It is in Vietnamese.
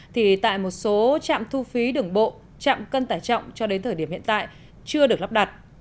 thì tại một số trạm thu phí đường bộ chạm cân tải trọng cho đến thời điểm hiện tại chưa được lắp đặt